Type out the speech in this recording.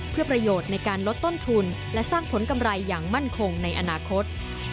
เพื่อประโยชน์ในการลดต้นทุนและสร้างผลกำไรอย่างมั่นคงในอนาคต